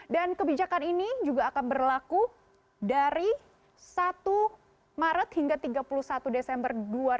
dan kebijakan ini juga akan berlaku dari satu maret hingga tiga puluh satu desember dua ribu dua puluh satu